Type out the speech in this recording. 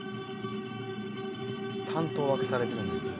担当分けされてるんですね。